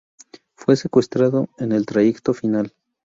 Fue secuestrado en el trayecto final.